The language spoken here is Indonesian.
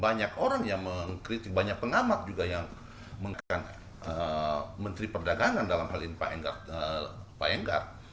banyak orang yang mengkritik banyak pengamat juga yang mengkritik menteri perdagangan dalam hal ini pak enggar